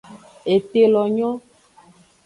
Ete lo nyo.